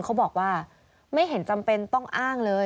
เขาบอกว่าไม่เห็นจำเป็นต้องอ้างเลย